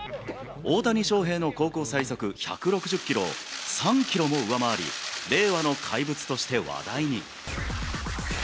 大谷翔平の高校最速１６０キロを３キロも上回り、令和の怪物として話題に。